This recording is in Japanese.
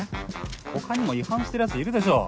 他にも違反してるヤツいるでしょ。